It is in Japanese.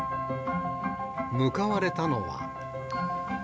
向かわれたのは。